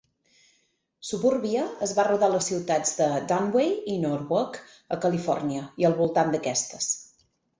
"Suburbia" es va rodar a les ciutats de Downey i Norwalk, a Califòrnia, i al voltant d'aquestes.